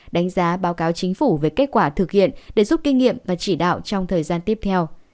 đánh giá báo cáo chính phủ về kết quả thực hiện để giúp kinh nghiệm và chỉ đạo trong thời gian tiếp theo